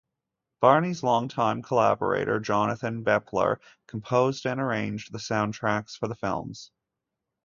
Barney's longtime collaborator Jonathan Bepler composed and arranged the soundtracks for the films.